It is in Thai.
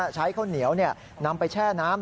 ข้าวเหนียวนำไปแช่น้ำ